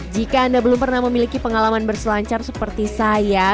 jika anda belum pernah memiliki pengalaman berselancar seperti saya